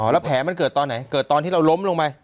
แล้วแผลมันเกิดตอนไหนเกิดตอนที่เราล้มลงไป